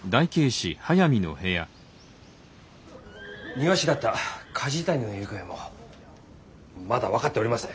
庭師だった梶谷の行方もまだ分かっておりません。